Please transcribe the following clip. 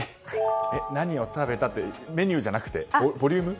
何を食べたというメニューじゃなくてボリューム？